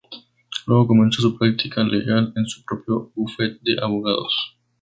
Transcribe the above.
Luego comenzó su práctica legal en su propio bufete de abogados.